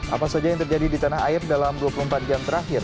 apa saja yang terjadi di tanah air dalam dua puluh empat jam terakhir